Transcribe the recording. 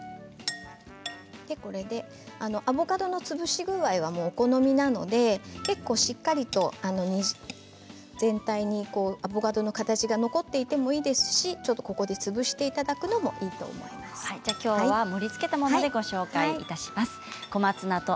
アボカドの潰し具合はお好みなのでしっかりと全体にアボカドの形が残っていてもいいですし、ここで潰していただくの盛りつけたものでご紹介します。